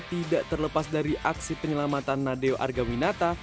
tidak terlepas dari aksi penyelamatan nadeo argawinata